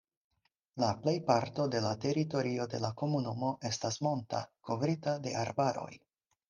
La plejparto de la teritorio de la komunumo estas monta, kovrita de arbaroj.